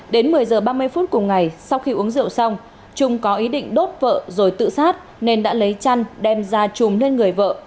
đến một mươi h ba mươi phút cùng ngày sau khi uống rượu xong trung có ý định đốt vợ rồi tự sát nên đã lấy chăn đem ra chùm lên người vợ